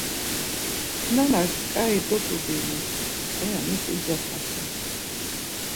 Nanak tzǩari dot̆ubinu, p̌eya mis ucoxasen?